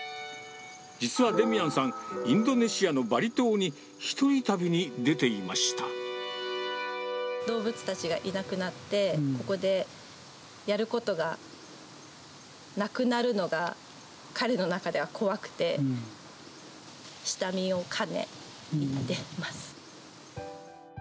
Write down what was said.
実はデミアンさん、インドネシアのバリ島に、動物たちがいなくなって、ここでやることがなくなるのが彼の中では怖くて、下見を兼ね、行ってます。